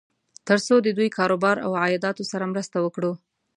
تر څو د دوی کار و بار او عایداتو سره مرسته وکړو.